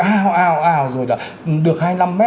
ào ào ào rồi là được hai mươi năm m